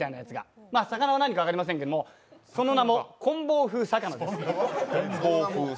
魚は何か分かりませんけども、その名も、こん棒風魚です。